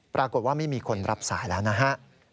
ปรากฏว่าไม่มีคนรับสายแล้วนะฮะ